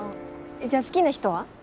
じゃあ好きな人は？